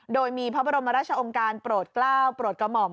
โดยมีพระบรมราชองค์การโปรดกล้าวโปรดกระหม่อม